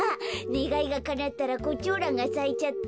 ねがいがかなったらコチョウランがさいちゃった。